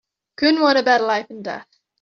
Couldn't want a better life and death.